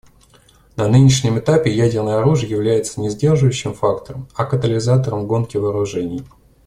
На нынешнем этапе ядерное оружие является не сдерживающим фактором, а катализатором гонки вооружений.